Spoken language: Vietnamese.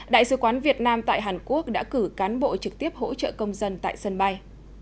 đại sứ quán việt nam tại hàn quốc đã cử cán bộ trực tiếp hỗ trợ công dân tại sân bay